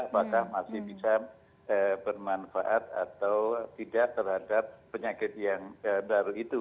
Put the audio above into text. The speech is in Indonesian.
apakah masih bisa bermanfaat atau tidak terhadap penyakit yang baru itu